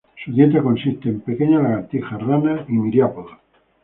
Su dieta consiste de pequeñas lagartijas, ranas y miriápodos.